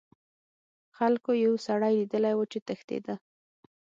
خلکو یو سړی لیدلی و چې تښتیده.